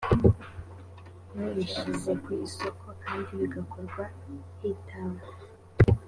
n uyishyize ku isoko kandi bigakorwa hitawe